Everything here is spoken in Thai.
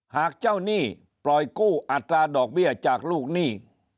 หากเจ้าหนี้ปล่อยกู้อัตราดอกเบี้ยจากลูกหนี้